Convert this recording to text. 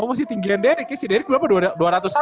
oh masih tinggi dari dirk ya dirk berapa dua ratus satu ya dirk ya